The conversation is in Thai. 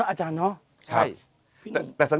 ขอบุญกุศล